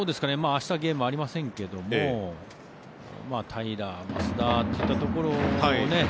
明日、ゲームありませんけども平良、増田といったところを。